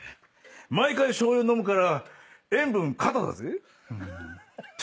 毎回しょう油飲むから塩分過多だぜ。